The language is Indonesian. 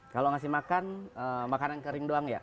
kalau ngasih makan makanan kering doang ya